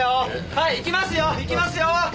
はい行きますよ行きますよー！